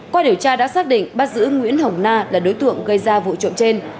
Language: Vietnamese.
qua điều tra đã xác định bắt giữ nguyễn hồng na là đối tượng gây ra vụ trộm trên